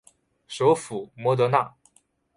首府摩德纳。